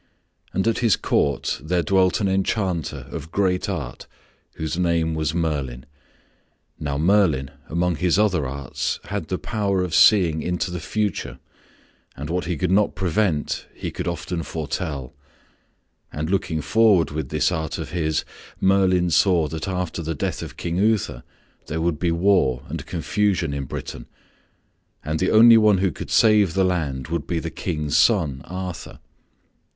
And at his court there dwelt an enchanter of great art whose name was Merlin. Now Merlin, among his other arts, had the power of seeing into the future, and what he could not prevent he could often foretell; and looking forward with this art of his, Merlin saw that after the death of King Uther there would be war and confusion in Britain; and the only one who could save the land would be the King's son, Arthur.